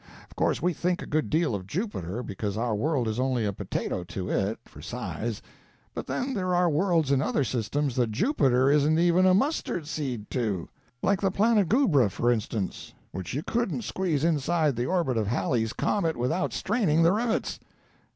Of course we think a good deal of Jupiter, because our world is only a potato to it, for size; but then there are worlds in other systems that Jupiter isn't even a mustard seed to—like the planet Goobra, for instance, which you couldn't squeeze inside the orbit of Halley's comet without straining the rivets.